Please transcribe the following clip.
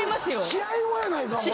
試合後やないか！